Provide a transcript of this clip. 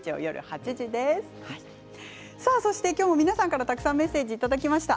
今日も皆さんからたくさんメッセージをいただきました。